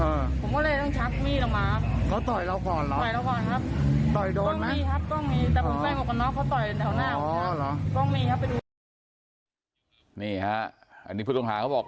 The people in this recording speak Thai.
แถวหน้าอ๋อหรอต้องมีครับนี่ฮะอันนี้ผู้ต่องหาเขาบอก